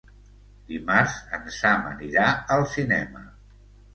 Dimarts en Sam anirà al cinema.